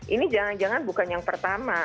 ini jangan jangan bukan yang pertama